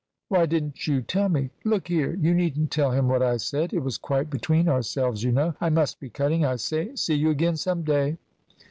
Why didn't you tell me! Look here, you needn't tell him what I said. It was quite between ourselves, you know. I must be cutting, I say. See you again some day."